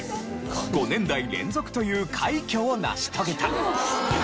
５年代連続という快挙を成し遂げた。